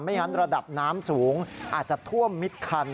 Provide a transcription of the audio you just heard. งั้นระดับน้ำสูงอาจจะท่วมมิดคัน